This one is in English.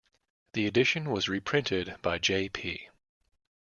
The edition was reprinted by J.-P.